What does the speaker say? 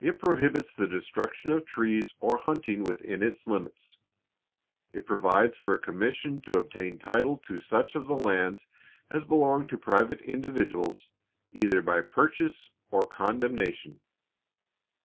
It prohibits the destruction of trees, or hunting within its limits. It provides for a commission to obtain title to such of the lands as belong to private individuals, either by purchase or condemnation.